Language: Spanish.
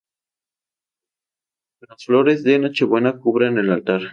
Las flores de nochebuena cubren el altar.